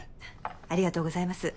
ありがとうございます。